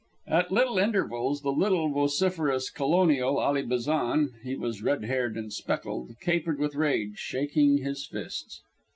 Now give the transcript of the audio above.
At little intervals the little vociferous colonial, Ally Bazan he was red haired and speckled capered with rage, shaking his fists.